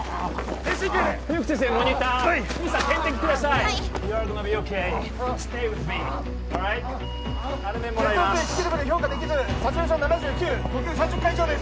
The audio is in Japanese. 血圧意識レベル評価できずサチュレーション７９呼吸３０回以上です